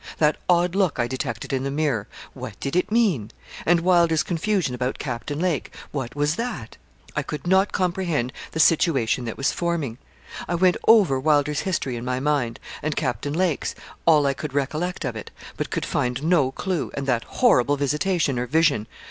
That odd look I detected in the mirror what did it mean? and Wylder's confusion about Captain Lake what was that? I could not comprehend the situation that was forming. I went over Wylder's history in my mind, and Captain Lake's all I could recollect of it but could find no clue, and that horrible visitation or vision!